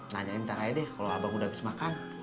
nanyain ntar aja deh kalau abang udah habis makan